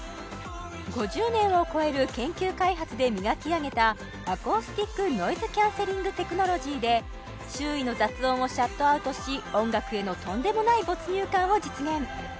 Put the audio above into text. ５０年を超える研究開発で磨き上げたアコースティックノイズキャンセリングテクノロジーで周囲の雑音をシャットアウトし音楽へのとんでもない没入感を実現！